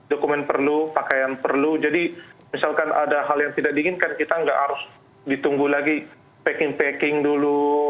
dokumen perlu pakaian perlu jadi misalkan ada hal yang tidak diinginkan kita nggak harus ditunggu lagi packing packing dulu